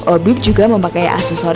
obib juga memakai aksesoris payut mutiara